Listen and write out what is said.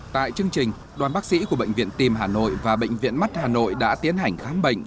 tại chương trình đoàn bác sĩ của bệnh viện tim hà nội và bệnh viện mắt hà nội đã tiến hành khám bệnh